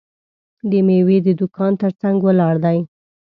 د میوې د دوکان ترڅنګ ولاړ دی.